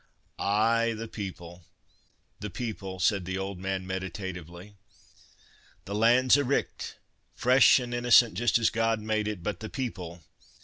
"Ay! the people—the people!" said the old man meditatively. "The land's a' richt—fresh and innocent, just as God made it, but the people!